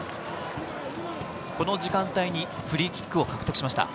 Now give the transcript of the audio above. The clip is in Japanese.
この時間帯にフリーキックを獲得しました。